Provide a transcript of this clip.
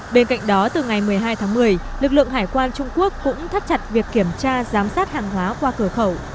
bên cạnh đó từ ngày một mươi hai tháng một mươi lực lượng hải quan trung quốc cũng thắt chặt việc kiểm tra giám sát hàng hóa qua cửa khẩu